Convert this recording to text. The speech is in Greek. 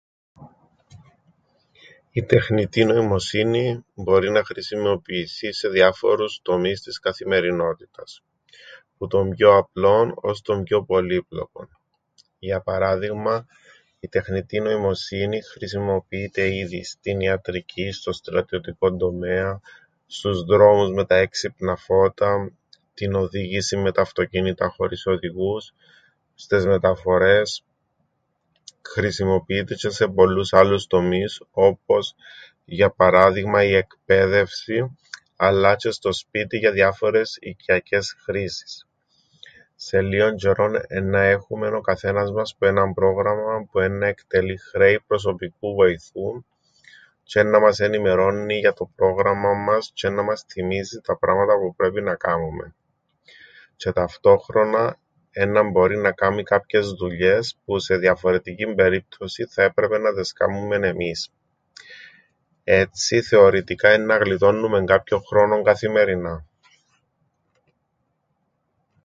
Η τεχνητή νοημοσύνη μπορεί να χρησιμοποιηθεί σε διάφορους τομείς της καθημερινότητας. Που τον πιο απλόν ώς τον πιο πολύπλοκον, για παράδειγμαν η τεχνητή νοημοσύνη χρησιμοποιείται ήδη στην ιατρικήν, στον στρατιωτικόν τομέαν, στους δρόμους με τα έξυπνα φώτα, την οδήγησην με τα αυτοκίνητα χωρίς οδηγούς, στες μεταφορές. Χρησιμοποιείται τζ̆αι σε πολλούς άλλους τομείς όπως για παράδειγμαν η εκπαίδευσην αλλά τζ̆αι στο σπίτιν για διάφορες οικιακές χρήσεις. Σε λλίον τζ̆αιρόν εννά έχουμεν ο καθένας μας που ένα πρόγραμμαν που εννά εκτελεί χρέη προσωπικού βοηθού τζ̆αι εννά μας ενημερώννει για το πρόγραμμαν μας τζ̆αι εννά μας θθυμίζει πράματα που πρέπει να κάμουμεν, τζ̆αι ταυτόχρονα εννά μπορεί να κάμνει κάποιες δουλειές που σε διαφορετικήν περίπτωσην εννά έπρεπεν να τες κάμνουμεν εμείς. Έτσι θεωρητικά εννά γλιτώννουμεν κάποιον χρόνον καθημερινά.